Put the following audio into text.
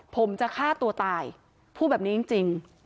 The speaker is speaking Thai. ผมจะฆ่าตัวตายพูดแบบนี้จริง